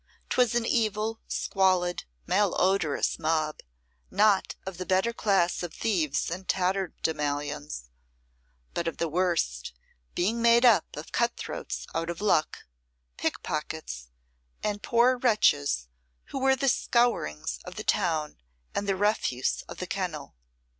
'Twas an evil, squalid, malodorous mob, not of the better class of thieves and tatterdemalions, but of the worst, being made up of cutthroats out of luck, pickpockets, and poor wretches who were the scourings of the town and the refuse of the kennel.